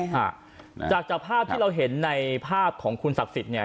ฮะจากจากภาพที่เราเห็นในภาพของคุณศักดิ์สิทธิ์เนี่ย